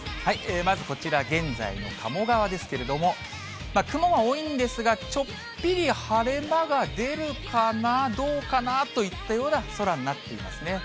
まずこちら、現在の鴨川ですけれども、雲は多いんですが、ちょっぴり晴れ間が出るかな、どうかなといったような空になっていますね。